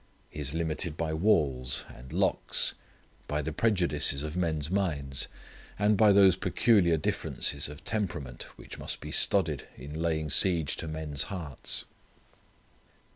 He is limited by walls, and locks, by the prejudices of men's minds, and by those peculiar differences of temperament which must be studied in laying siege to men's hearts.